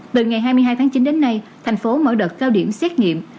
từ ngày hai mươi hai tháng chín đến nay thành phố mở đợt cao điểm xét nghiệm